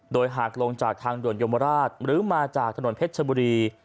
โดยหากลงจากทางด่วนยมราชหรือมาจากถนนเพชรชบุรี